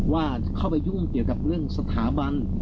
ว่าเข้าไปยุ่งเกี่ยวกับเรื่องสถาบัน